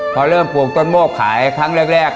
พอเริ่มปลูกต้นโมกขายครั้งแรก